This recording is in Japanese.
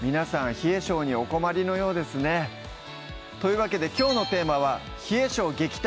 冷え性にお困りのようですねというわけできょうのテーマは「冷え性撃退！